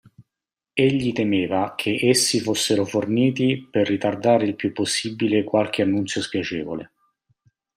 Egli temeva che essi fossero forniti per ritardare il più possibile qualche annunzio spiacevole.